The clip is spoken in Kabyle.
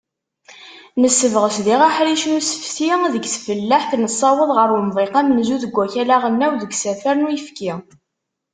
Nessebɣes diɣ aḥric n usefti deg tfellaḥt, nessaweḍ ɣar umḍiq amenzu deg wakal aɣelnaw deg usafar n uyefki.